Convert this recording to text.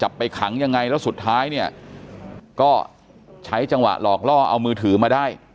ไปขังยังไงแล้วสุดท้ายเนี่ยก็ใช้จังหวะหลอกล่อเอามือถือมาได้